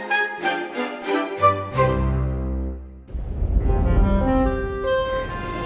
tuh dia yang pakai